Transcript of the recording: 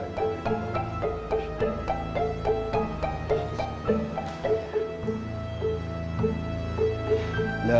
karena ini adalah